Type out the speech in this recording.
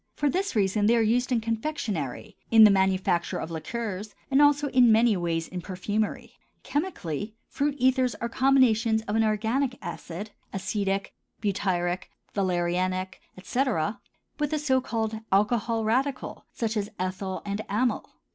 For this reason they are used in confectionery, in the manufacture of liqueurs, and also in many ways in perfumery. Chemically, fruit ethers are combinations of an organic acid—acetic, butyric, valerianic, etc.—with a so called alcohol radicle such as ethyl and amyl.